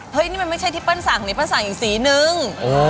นี่มันไม่ใช่ที่เปิ้ลสั่งนี่เปิ้สั่งอีกสีนึง